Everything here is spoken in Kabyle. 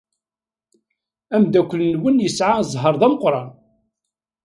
Ameddakel-nwen yesɛa zzheṛ d ameqran.